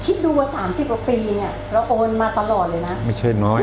คิดดูว่า๓๐ปีเราโอนมาตลอดเลยนะไม่ใช่น้อย